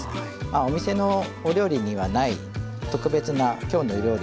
お店のお料理にはない特別な「きょうの料理」